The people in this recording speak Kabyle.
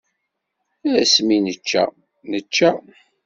Asmi nečča, nečča.